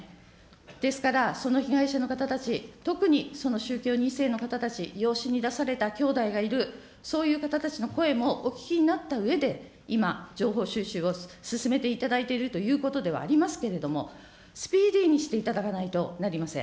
ですから、その被害者の方たち、特にその宗教２世の方たち、養子に出されたきょうだいがいる、そういう方たちの声もお聞きになったうえで、今、情報収集を進めていただいているということではありますけれども、スピーディーにしていただかなければなりません。